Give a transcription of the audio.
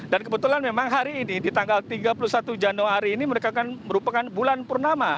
dan kebetulan memang hari ini di tanggal tiga puluh satu januari ini mereka akan merupakan bulan purnama